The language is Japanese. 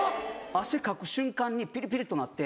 汗かく瞬間にピリピリとなって。